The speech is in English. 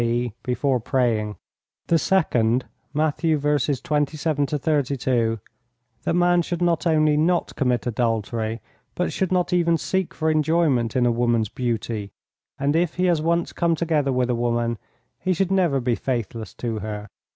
e., before praying. The second (Matt. v. 27 32), that man should not only not commit adultery but should not even seek for enjoyment in a woman's beauty, and if he has once come together with a woman he should never be faithless to her.